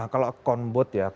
kalau account bot ya